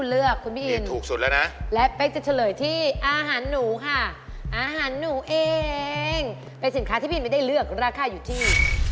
เลือกราคาอยู่ที่๗๒บาทราคาอยู่ที่๗๒